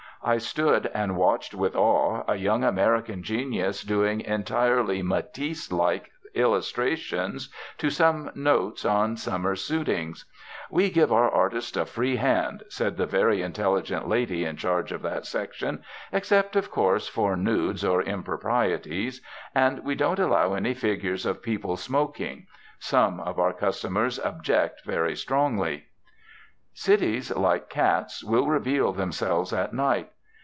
I stood and watched with awe a young American genius doing entirely Matisse like illustrations to some notes on summer suitings. "We give our artists a free hand," said the very intelligent lady in charge of that section; "except, of course, for nudes or improprieties. And we don't allow any figures of people smoking. Some of our customers object very strongly...." Cities, like cats, will reveal themselves at night.